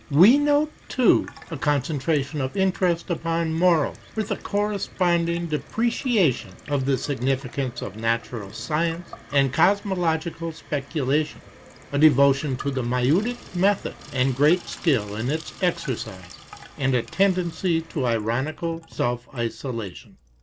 We note, too, a concentration of interest upon morals, with a corresponding depreciation of the significance of natural science and cosmological speculation ; a devotion to the maieutic method and great skill in its exercise; and a tendency to ironical self isolation.